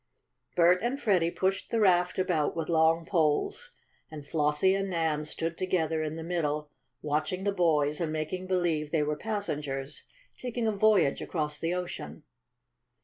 Bert and Freddie pushed the raft about with long poles, and Flossie and Nan stood together in the middle watching the boys and making believe they were passengers taking a voyage across the ocean.